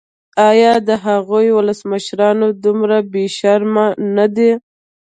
ایا د هغوی ولسمشران دومره بې شرمه نه دي.